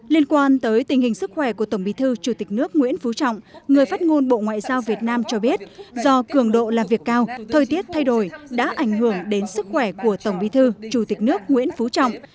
liên quan tới tình hình sức khỏe của tổng bí thư chủ tịch nước nguyễn phú trọng người phát ngôn bộ ngoại giao việt nam cho biết do cường độ làm việc cao thời tiết thay đổi đã ảnh hưởng đến sức khỏe của tổng bí thư chủ tịch nước nguyễn phú trọng